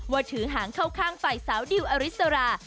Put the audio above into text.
ว่าถือหางเข้าข้างฝ่ายสาวดิวอริสรา